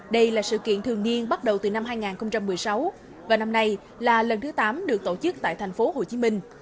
đây là sự kiện thường niên bắt đầu từ năm hai nghìn một mươi sáu và năm nay là lần thứ tám được tổ chức tại thành phố hồ chí minh